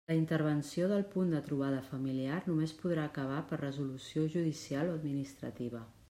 La intervenció del Punt de Trobada Familiar només podrà acabar per resolució judicial o administrativa.